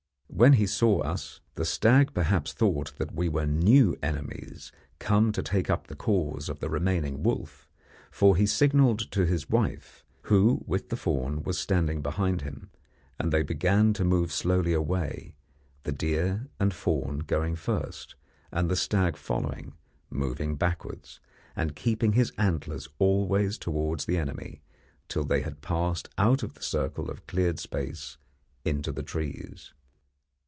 When he saw us, the stag perhaps thought that we were new enemies come to take up the cause of the remaining wolf, for he signalled to his wife, who with the fawn was standing behind him, and they began to move slowly away, the deer and fawn going first, and the stag following, moving backwards, and keeping his antlers always towards the enemy, till they had passed out of the circle of cleared space into the trees.